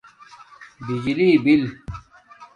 بجلی بِل